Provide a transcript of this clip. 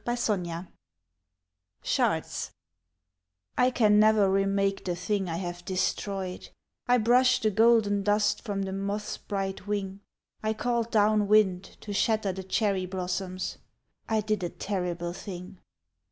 Vigils SHARDS I CAN never remake the thing I have destroyed; I brushed the golden dust from the moth's bright wing, I called down wind to shatter the cherry blossoms, I did a terrible thing.